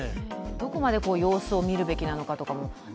どこまで様子を見るべきなのかも。